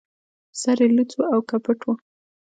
سر يې لڅ و او که پټ و